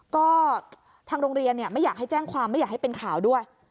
ก็ทางโรงเรียนไม่อยากให้แจ้งความไม่อยากให้เป็นข่าวด้วย